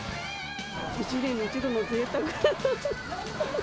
１年に１度のぜいたく。